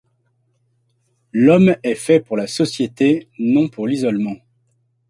L’homme est fait pour la société, non pour l’isolement.